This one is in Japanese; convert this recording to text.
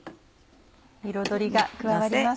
彩りが加わります。